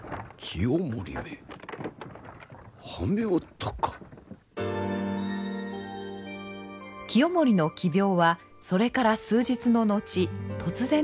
清盛の奇病はそれから数日の後突然快癒しました。